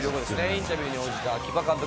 インタビューに応じた秋葉監督。